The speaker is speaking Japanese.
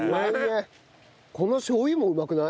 このしょう油もうまくない？